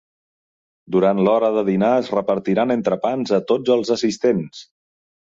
Durant l'hora de dinar es repartiran entrepans a tots els assistents.